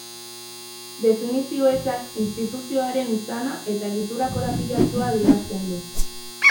Definizio ezak instituzioaren izana eta egitura korapilatsua adierazten du.